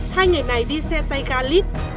hai người này đi xe tay ga lít